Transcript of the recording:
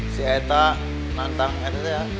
si eta nantang itu tuh ya